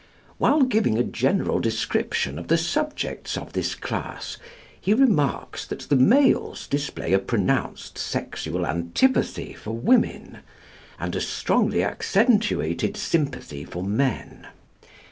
While giving a general description of the subjects of this class, he remarks that the males display a pronounced sexual antipathy for women, and a strongly accentuated sympathy for men.